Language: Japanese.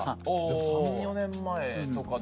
３４年前とかで。